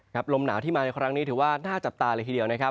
ลมหนาวที่มาในครั้งนี้ถือว่าน่าจับตาเลยทีเดียวนะครับ